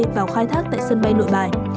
vào khai thác tại sân bay nội bài